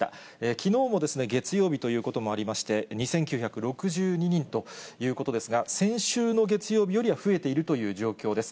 きのうも月曜日ということもありまして、２９６２人ということですが、先週の月曜日よりは増えているという状況です。